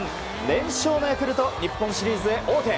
連勝のヤクルト日本シリーズへ王手。